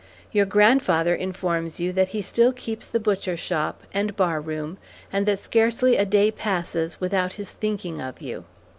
Your grandfather informs you that he still keeps the butcher shop, and bar room, and that scarcely a day passes without his thinking of you.